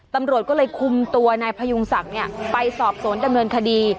ตำรวจก็เลยคุมตัวนายพยุงศักดิ์ไปสอบสวนดำเนินคดี